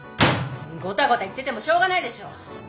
ごたごた言っててもしょうがないでしょ！